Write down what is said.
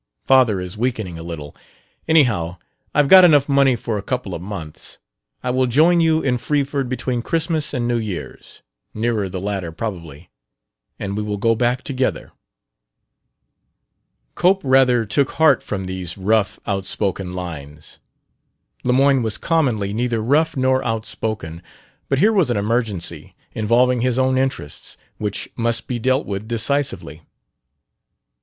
Father is weakening a little. Anyhow, I've got enough money for a couple of months. I will join you in Freeford between Christmas and New Year's (nearer the latter, probably), and we will go back together."... Cope rather took heart from these rough, outspoken lines. Lemoyne was commonly neither rough nor outspoken; but here was an emergency, involving his own interests, which must be dealt with decisively.